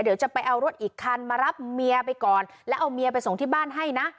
เดี๋ยวจะไปเอารถอีกคันมารับเมียไปก่อนแล้วเอาเมียไปส่งที่บ้านให้นะ